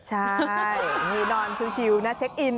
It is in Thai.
ใช่นอนชิวน่าเช็คอิน